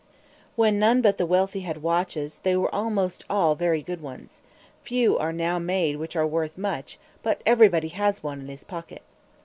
When none but the wealthy had watches, they were almost all very good ones: few are now made which are worth much, but everybody has one in his pocket.